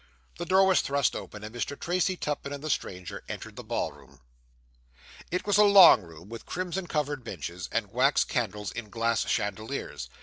The door was thrown open, and Mr. Tracy Tupman and the stranger entered the ballroom. It was a long room, with crimson covered benches, and wax candles in glass chandeliers.